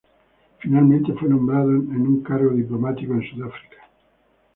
Finalmente fue nombrado en un cargo diplomático en Sudáfrica.